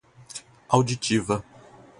auditiva